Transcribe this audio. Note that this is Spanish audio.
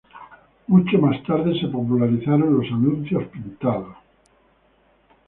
Mucho más tarde, se popularizaron los anuncios pintados.